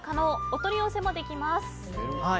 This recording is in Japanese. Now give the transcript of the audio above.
お取り寄せもできます。